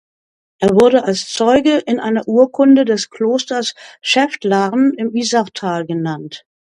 Er wurde als Zeuge in einer Urkunde des Klosters Schäftlarn im Isartal genannt.